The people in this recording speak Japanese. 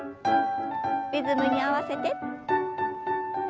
リズムに合わせて。